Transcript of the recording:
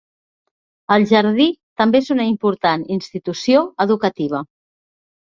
El Jardí també és una important institució educativa.